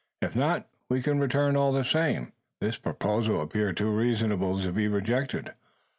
If not, we can return all the same!" This proposal appeared too reasonable to be rejected.